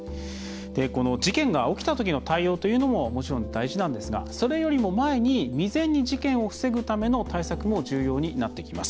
事件が起きたときの対応というのももちろん大事なんですがそれよりも前に未然に事件を防ぐための対策も重要になってきます。